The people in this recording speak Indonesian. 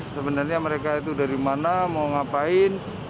sebenarnya mereka itu dari mana mau ngapain